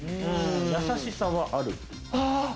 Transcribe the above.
優しさはある。